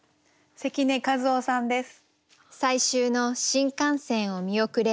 関根一雄さんです。